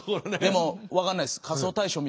でも分かんないっす。